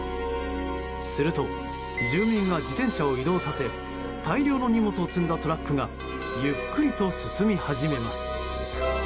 すると、住民が自転車を移動させ大量の荷物を積んだトラックがゆっくりと進み始めます。